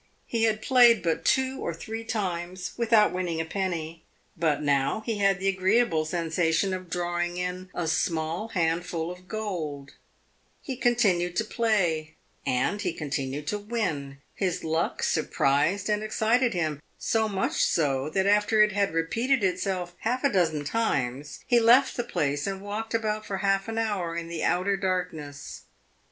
He had played but two or three times, without winning a penny; but now he had the agreeable sensation of drawing in a small handful of gold. He continued to play, and he continued to win. His luck surprised and excited him so much so that after it had repeated itself half a dozen times he left the place and walked about for half an hour in the outer darkness.